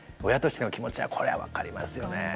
親としての気持ちはこれは分かりますよね。